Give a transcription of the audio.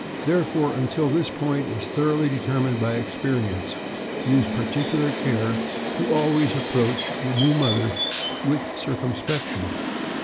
Therefore, until this point is thoroughly deter mined by experience, use particular care to always approach the new mother with circumspection.